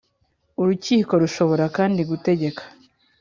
Urukiko rushobora kandi gutegeka.